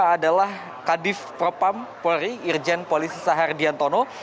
adalah kadif propam polri irjen polisi sahar diantono